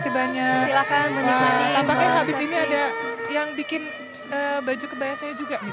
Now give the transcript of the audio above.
nah tampaknya habis ini ada yang bikin baju kebaya saya juga